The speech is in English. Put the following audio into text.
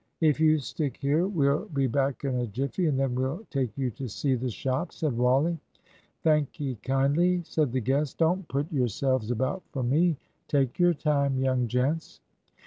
If you stick here, we'll be back in a jiffy, and then we'll take you to see the shop," said Wally. "Thank'ee kindly," said the guest; "don't put yourselves about for me. Take your time, young gents."